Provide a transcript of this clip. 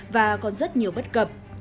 và còn rất nhiều bất cập